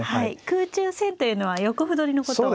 空中戦というのは横歩取りのことを。